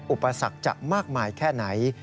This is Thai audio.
อุปสรรคจะมากมายแค่ไหน